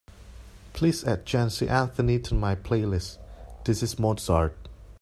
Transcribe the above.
Please add Jency Anthony to my playlist This Is Mozart